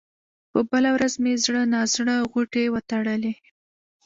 په بله ورځ مې زړه نا زړه غوټې وتړلې.